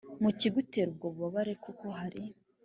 mucyigutera ubwo bubabare kuko hari